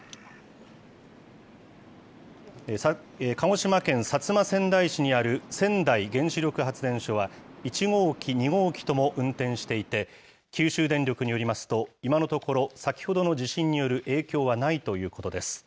鹿児島県薩摩川内市にある川内原子力発電所は、１号機、２号機とも運転していて、九州電力によりますと、今のところ、先ほどの地震による影響はないということです。